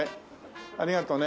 ありがとね。